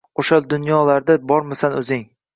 oʼshal dunyolarda bormisan oʼzing?